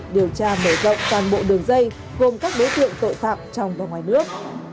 điều tra mở rộng toàn bộ đường dây gồm các đối tượng tội phạm trong và ngoài nước